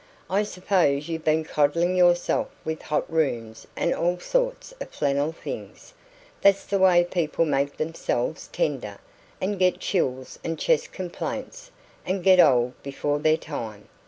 I suppose you've been coddling yourself with hot rooms and all sorts of flannel things; that's the way people make themselves tender, and get chills and chest complaints, and get old before their time."